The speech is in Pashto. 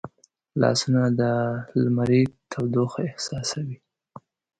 لاسونه د لمري تودوخه احساسوي